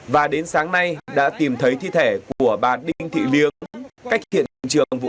và đến sáng nay đã tìm thấy thi thể của bà đinh thị liêu